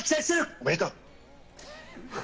おめでとう！